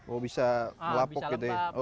oh bisa melapuk gitu ya